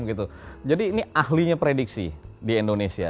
langsung gitu jadi ini ahlinya prediksi di indonesia